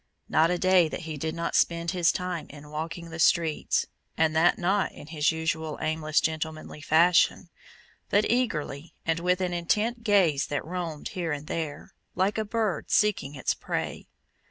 Not a day that he did not spend his time in walking the streets, and that not in his usual aimless gentlemanly fashion, but eagerly and with an intent gaze that roamed here and there, like a bird seeking its prey.